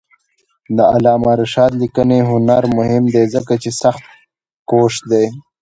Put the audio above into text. د علامه رشاد لیکنی هنر مهم دی ځکه چې سختکوش دی.